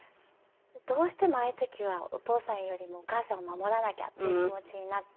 どうしてもああいう時はお父さんよりもお母さんを守らなきゃという気持ちになって。